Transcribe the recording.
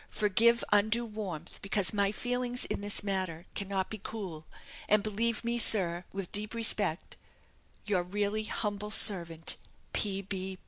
Forgive undue warmth, because my feelings in this matter cannot be cool; and believe me, sir, with deep respect, "Your really humble servant, "P. B.